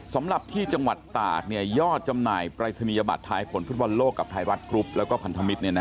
สำหรับที่จังหวัดตากยอดจำหน่ายปรายศนียบัตรท้ายผลฟุตบอลโลกกับไทยรัฐกรุ๊ปแล้วก็พันธมิตร